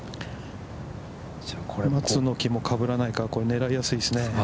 松の木もかぶらないから、狙いやすいですね。